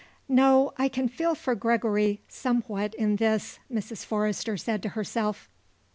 "No, I can feel for Gregory somewhat in this," Mrs. Forrester said to herself.